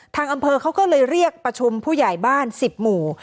ทางอำเภอเขาก็เลยเรียกประชุมผู้ใหญ่บ้าน๑๐หมู่